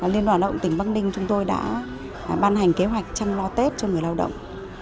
liên đoàn lao động tỉnh bắc ninh chúng tôi đã ban hành kế hoạch chăm lo tết cho người lao động